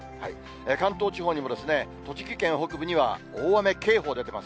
関東地方にも、栃木県北部には大雨警報出てます。